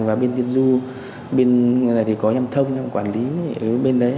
và bên tiên du bên này thì có em thông em quản lý bên đấy